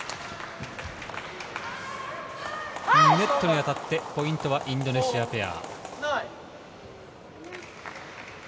ネットに当たってポイントはインドネシアペア。